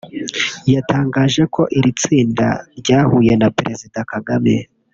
yatangaje ko iri tsinda ryahuye na Perezida Kagame